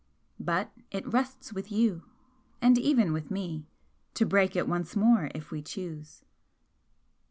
But it rests with you and even with me to break it once more if we choose."